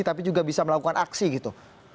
tapi juga bisa melakukan aksi gitu